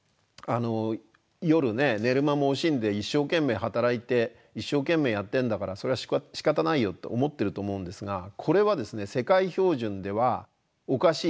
夜ね寝る間も惜しんで一生懸命働いて一生懸命やってんだからそれはしかたないよって思ってると思うんですがこれはですね世界標準ではおかしい考え方なんですよ。